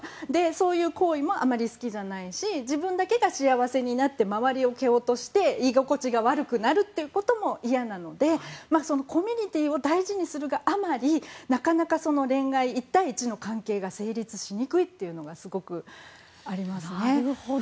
そういう行為もあまり好きじゃないし自分だけが幸せになって、周りを蹴落として居心地が悪くなることも嫌なのでコミュニティーを大事にするがあまりなかなか恋愛１対１の恋愛が成立しにくいというのがすごくありますね。